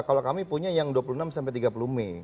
kalau kami punya yang dua puluh enam sampai tiga puluh mei